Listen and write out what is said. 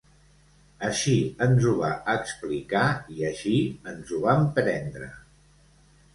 Així ens ho va explicar i així ens ho vam prendre.